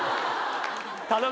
頼む。